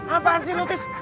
apaan sih lu tis